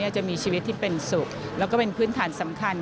จะมีชีวิตที่เป็นสุขแล้วก็เป็นพื้นฐานสำคัญ